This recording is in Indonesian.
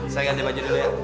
saya kasih baju dulu ya